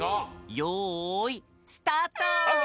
よいスタート！